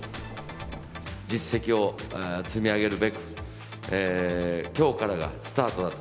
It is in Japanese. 実績を積み上げるべく、きょうからがスタートだと。